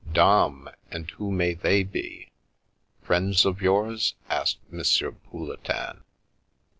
" Dame ! And who may they be ? Friends of yours ?" asked Monsieur Pouletin.